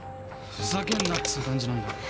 ふざけんなっつう感じなんだけど。